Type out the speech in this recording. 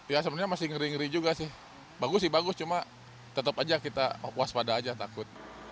ya sebenarnya masih ngeri ngeri juga sih bagus sih bagus cuma tetap aja kita waspada aja takut